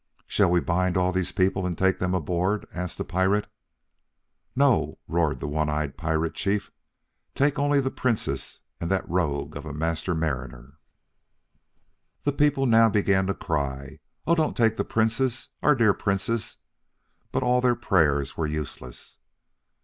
"Shall we bind all these people and take them aboard?" asked a pirate. "No!" roared the one eyed pirate chief. "Take only the Princess and that rogue of a Master Mariner." The people now began to cry, "Oh, don't take the Princess, our dear Princess!" But all their prayers were useless.